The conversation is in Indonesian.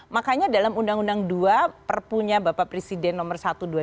makanya dalam undang undang dua perpunya bapak presiden nomor satu dua ribu dua